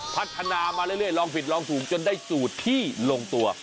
พัฒนามาเรื่อยลองผิดลองถูกจนได้สูตรที่ลงตัว